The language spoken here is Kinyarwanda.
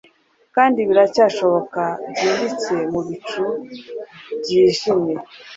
Kandi biracyashoboka byimbitse mubicu byijimye